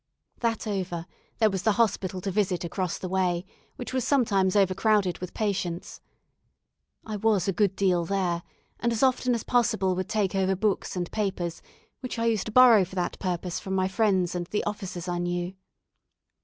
That over, there was the hospital to visit across the way, which was sometimes overcrowded with patients. I was a good deal there, and as often as possible would take over books and papers, which I used to borrow for that purpose from my friends and the officers I knew.